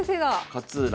勝浦